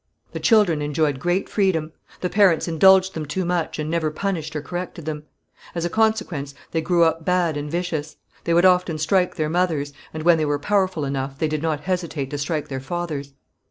The children enjoyed great freedom. The parents indulged them too much and never punished or corrected them. As a consequence they grew up bad and vicious. They would often strike their mothers, and when they were powerful enough they did not hesitate to strike their fathers.